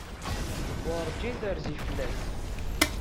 Werjin terzi fell-as.